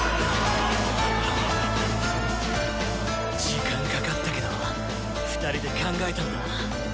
時間かかったけど２人で考えたんだ。